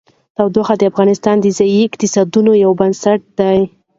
تودوخه د افغانستان د ځایي اقتصادونو یو بنسټ دی.